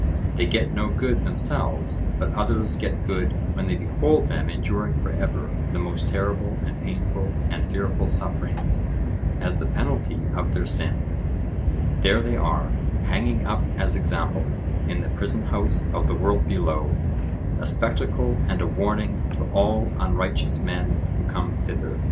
They get no good themselves, but others get good when they behold them enduring for ever the most terrible and painful and fearful sufferings as the penalty of their sins—there they are, hanging up as examples, in the prison house of the world below, a spectacle and a warning to all unrighteous men who come thither.